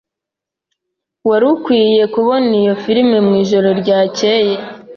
Wari ukwiye kubona iyo firime mwijoro ryakeye.